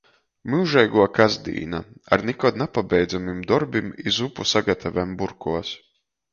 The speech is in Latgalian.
Myužeiguo kasdīna - ar nikod napabeidzamim dorbim i zupu sagatavem burkuos.